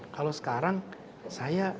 kalau sekarang saya